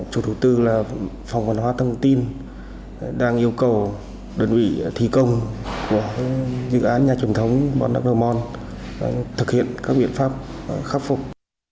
chủ đầu tư là phòng văn hóa thông tin đang yêu cầu đơn vị thí công của dự án nhà truyền thống bon đắk rổ mon thực hiện các biện pháp khắc phục